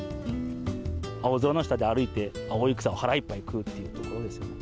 青空の下で歩いて、青い草を腹いっぱい食うっていうことですね。